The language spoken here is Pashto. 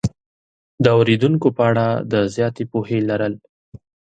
د اورېدونکو په اړه د زیاتې پوهې لرل